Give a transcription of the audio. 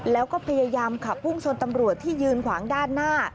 แล้วก็พยายามขับพุ่งชนตำรวจที่ยืนขวางด้านหน้า